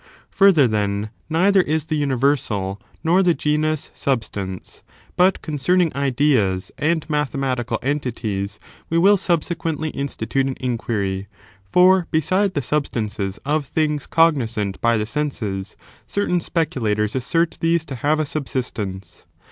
Further, then, neither is tiie uni versal ^ nor the genus substance. But concerning ideas and mathematical entities we will subsequently ^ institute an inquiry ; for, beside^ the substances of things cognisant by the 3 The inquiry 8®^^^8®8> Certain speculators assert these to have a in book VII. Subsistence.